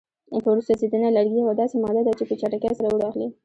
په اور سوځېدنه: لرګي یوه داسې ماده ده چې په چټکۍ سره اور اخلي.